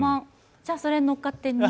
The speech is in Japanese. じゃあ、それに乗っかって２。